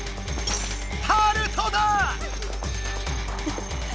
ハルトだ！